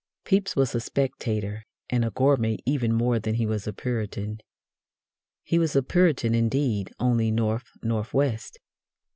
Pepys was a spectator and a gourmet even more than he was a Puritan. He was a Puritan, indeed, only north north west.